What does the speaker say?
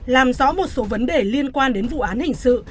làm rõ một số vấn đề liên quan đến vụ án hình sự